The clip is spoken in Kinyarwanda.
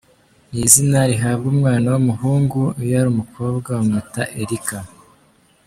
Ni izina rihabwa umwana w’umuhungu iyo ari umukobwa bamwita Erica.